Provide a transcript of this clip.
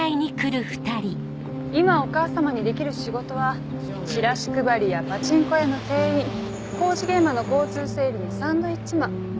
今お母様にできる仕事はチラシ配りやパチンコ屋の店員工事現場の交通整理にサンドイッチマン。